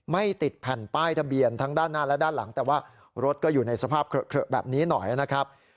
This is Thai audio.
ไม่ติดแผ่นป้ายทะเบียนทั้งด้านหน้าและด้านหลังแต่ว่ารถก็อยู่ในสภาพเคลอะแบบนี้หน่อยนะครับ